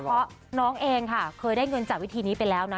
เพราะน้องเองค่ะเคยได้เงินจากวิธีนี้ไปแล้วนะ